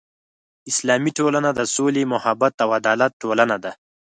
اسلامي ټولنه د سولې، محبت او عدالت ټولنه ده.